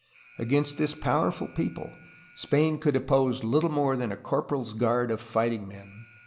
Against this powerful people Spain could oppose little more than a corporal's guard of fighting men.